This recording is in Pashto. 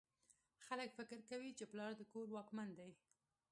خلک فکر کوي چې پلار د کور واکمن دی